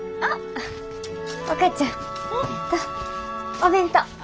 お弁当。